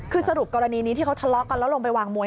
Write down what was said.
คือสรุปกรณีนี้ที่เขาทะเลาะกันแล้วลงไปวางมวย